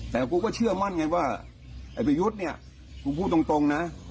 แต่กูก็เชื่อมั่นไงว่าไอ้ประยุทธ์เนี่ยกูพูดตรงนะ